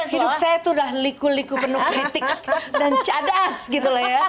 hidup saya itu udah liku liku penuh kritik dan cadas gitu loh ya